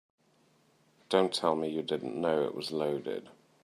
Don't tell me you didn't know it was loaded.